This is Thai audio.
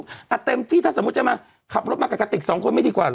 อ่ะเต็มที่ถ้าสมมุติจะมาขับรถมากับกะติกสองคนไม่ดีกว่าเห